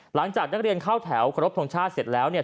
หลังจากนักเรียนเข้าแถวขอรบทรงชาติเสร็จแล้วเนี่ย